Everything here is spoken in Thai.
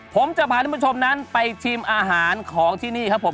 ผมจะพาท่านผู้ชมนั้นไปชิมอาหารของที่นี่ครับผม